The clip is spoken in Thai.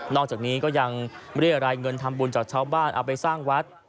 นอกจากนี้ก็ยังไม่ได้อะไรเงินทำบุญจากชาวบ้านเอาไปสร้างวัด